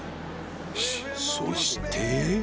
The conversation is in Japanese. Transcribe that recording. ［そして］